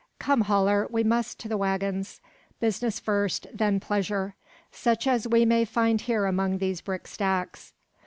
"Come, Haller! we must to the waggons. Business first, then pleasure; such as we may find here among these brick stacks.